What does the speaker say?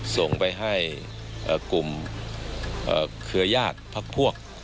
ส่งไปให้กลุ่มเครือญาติพักพวก